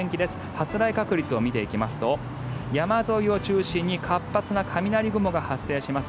発雷確率を見ていきますと山沿いを中心に活発な雷雲が発生します。